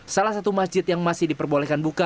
salah satu masjid yang masih diperbolehkan buka